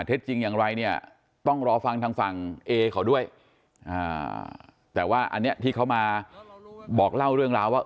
เท็จจริงอย่างไรเนี่ยต้องรอฟังทางฝั่งเอเขาด้วยแต่ว่าอันนี้ที่เขามาบอกเล่าเรื่องราวว่า